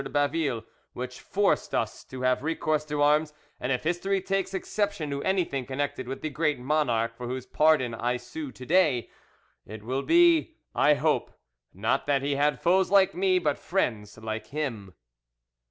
de Baville which forced us to have recourse to arms; and if history takes exception to anything connected with the great monarch for whose pardon I sue to day, it will be, I hope, not that he had foes like me, but friends like him."